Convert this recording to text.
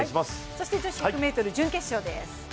そして女子１００ｍ、準決勝です